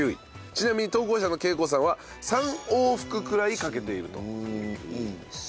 ちなみに投稿者の圭子さんは３往復くらいかけていると。